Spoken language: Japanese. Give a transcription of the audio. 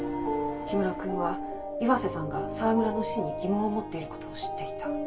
「氷室くんは岩瀬さんが沢村の死に疑問を持っている事を知っていた」